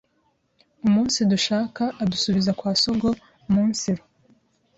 umunsidushaka adusubiza kwa sogoumunsiru